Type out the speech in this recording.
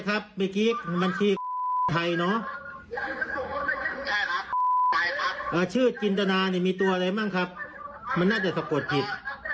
อาชื่อจินตณานี่มีตัวอะไรบ้างครับมันน่าจะสะกดผิด